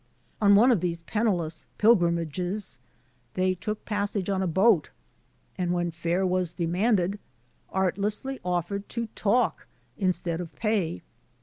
On one of these penniless pilgrimages they took passage on a boat, and, when fare was demanded, artlessly offered to talk, instead of pay.